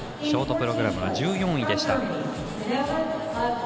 ショートプログラムは１４位でした。